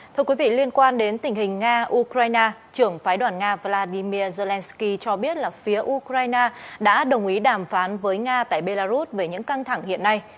thưa quý vị liên quan đến tình hình nga ukraine trưởng phái đoàn nga vladimir zelensky cho biết là phía ukraine đã đồng ý đàm phán với nga tại belarus về những căng thẳng hiện nay